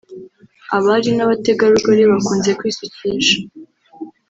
Abari n’abategarugori bakunze kwisukisha